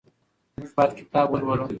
موږ باید کتاب ولولو.